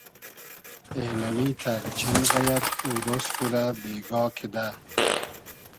اېنئمیتئر چئن غئیئد او رۉز خو رۂ بېگا کیدۂ